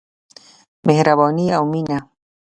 مهرباني او مينه.